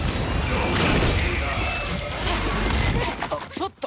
ちょっと！